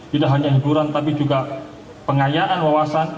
tidak hanya hiburan tapi juga pengayaan wawasan